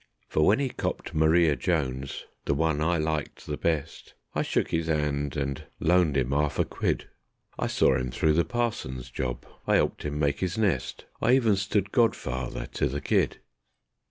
For when 'e copped Mariar Jones, the one I liked the best, I shook 'is 'and and loaned 'im 'arf a quid; I saw 'im through the parson's job, I 'elped 'im make 'is nest, I even stood god farther to the kid.